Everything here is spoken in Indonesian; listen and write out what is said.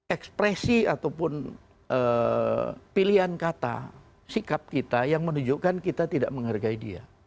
ekspresi ataupun pilihan kata sikap kita yang menunjukkan kita tidak menghargai dia